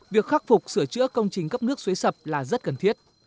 việc khắc phục sửa chữa công trình cấp nước xuế sập là rất cần thiết